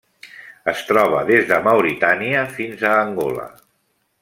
Es troba des de Mauritània fins a Angola.